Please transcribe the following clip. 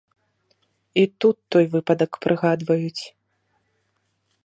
І тут той выпадак прыгадваюць.